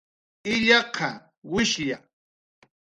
illaqa, wishlla